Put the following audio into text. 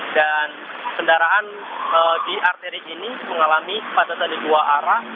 kendaraan di arterik ini mengalami kepadatan di dua arah